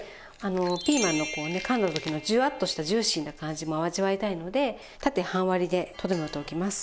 ピーマンのこうねかんだ時のジュワッとしたジューシーな感じも味わいたいので縦半割りで整えておきます。